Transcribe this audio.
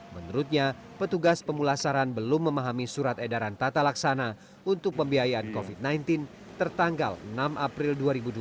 menurutnya petugas pemulasaran belum memahami surat edaran tata laksana untuk pembiayaan covid sembilan belas tertanggal enam april dua ribu dua puluh